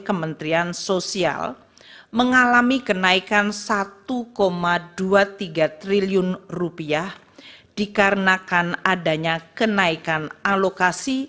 kementerian sosial mengalami kenaikan satu dua puluh tiga triliun rupiah dikarenakan adanya kenaikan alokasi